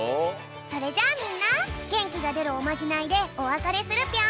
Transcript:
それじゃあみんなげんきがでるおまじないでおわかれするぴょん！